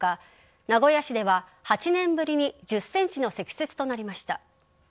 名古屋市では８年ぶりに１０ｃｍの積雪となりました。